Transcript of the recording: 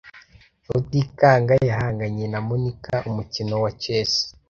Rutikanga yahanganye na Monika umukino wa chess.